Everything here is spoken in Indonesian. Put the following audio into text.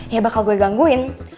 ya bakal gue gangguin